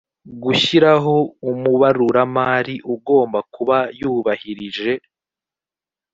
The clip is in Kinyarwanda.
gushyiraho umubaruramari ugomba kuba yubahirije